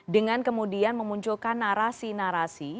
dengan kemudian memunculkan narasi narasi